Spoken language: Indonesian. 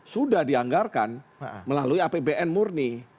sudah dianggarkan melalui apbn murni